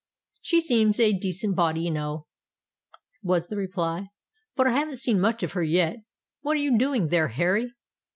"She seems a decent body enow," was the reply. "But I haven't seen much of her yet. What are you doing there, Harry?"